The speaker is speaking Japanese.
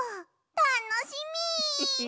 たのしみ！